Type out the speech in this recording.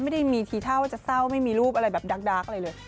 ไม่ได้มีทีท่าว่าจะเศร้าไม่มีรูปอะไรแบบดาร์กอะไรเลย